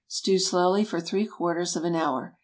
Stew slowly for three quarters of an hour.